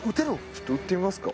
ちょっと撃ってみますか。